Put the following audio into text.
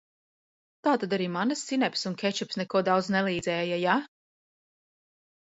Tātad arī manas sinepes un kečups neko daudz nelīdzēja, ja?